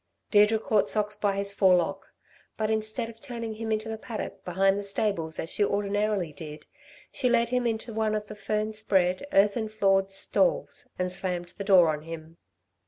Deirdre caught Socks by his forelock; but instead of turning him into the paddock behind the stables as she ordinarily did, she led him into one of the fern spread, earthern floored stalls and slammed the door on him.